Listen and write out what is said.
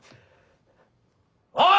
おい！